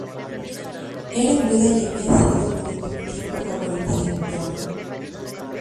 Era viuda y había sido durante un tiempo favorita del emperador.